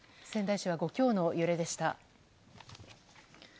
仙台市は５強の揺れでした。